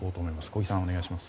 小木さん、お願いします。